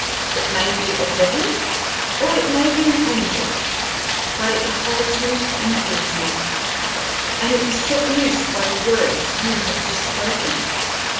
It may be a devil or it may be an angel, but it holds me and rules me, and it was set loose by the words you have just spoken.